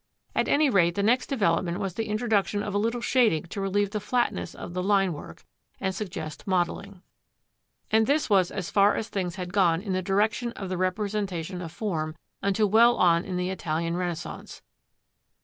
At any rate the next development was the introduction of a little shading to relieve the flatness of the line work and suggest modelling. And this was as far as things had gone in the direction of the representation of form, until well on in the Italian Renaissance.